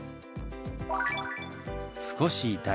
「少し痛い」。